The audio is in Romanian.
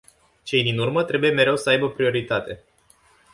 Cei din urmă trebuie mereu să aibă prioritate.